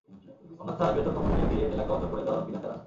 অন্যথায় বৃহত্তর কর্মসূচি দিয়ে জেলাকে অচল করে দেওয়ার হুমকি দেন তাঁরা।